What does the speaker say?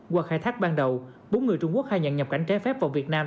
qua khai thác ban đầu bốn người trung quốc khai nhận nhập cảnh trái phép vào việt nam